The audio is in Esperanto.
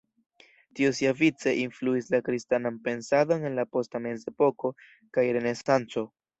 Tio siavice influis la kristanan pensadon en la posta Mezepoko kaj Renesanco.